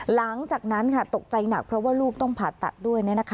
หลังจากนั้นตกใจหนักเพราะว่าลูกต้องผ่าตัดด้วย